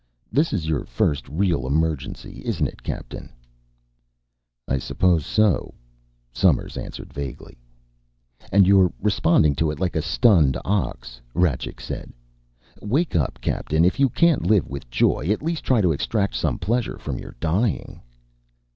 "This is your first real emergency, isn't it, Captain?" "I suppose so," Somers answered vaguely. "And you're responding to it like a stunned ox," Rajcik said. "Wake up, Captain! If you can't live with joy, at least try to extract some pleasure from your dying."